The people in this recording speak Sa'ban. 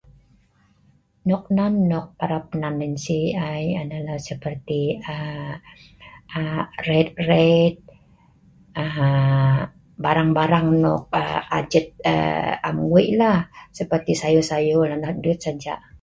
Noknen nok parab nen nansi ai adalah (yah nah)seperti(kokdut) ret-ret, barang-barang nok ajit am wei' seperti(kokdut sayur-sayur nonoh saja(duung)